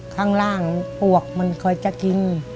ข้างล่างปวกมันคอยจะกิน